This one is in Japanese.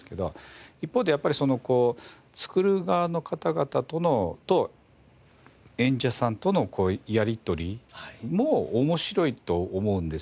一方でやっぱり作る側の方々と演者さんとのやりとりも面白いと思うんですよ。